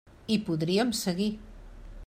I podríem seguir.